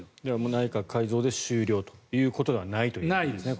内閣改造で終了ということではないということですね